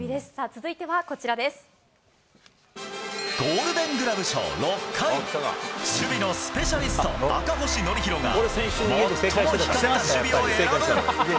続いてはこちらゴールデングラブ賞６回、守備のスペシャリスト、赤星憲広が、最も光った守備を選ぶ。